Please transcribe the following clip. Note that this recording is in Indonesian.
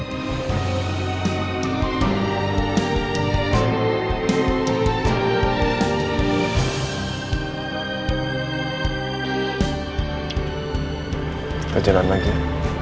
kita jalan lagi ya